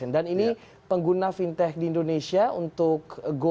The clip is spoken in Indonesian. dan ini pengguna fintech di indonesia untuk gopay